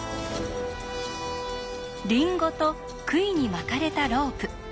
リンゴとくいに巻かれたロープ。